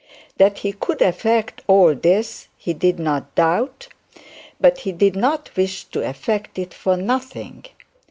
That he could effect all this, he did not doubt; but he did not wish to effect it for nothing.